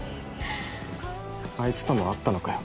あいつとも会ったのかよ。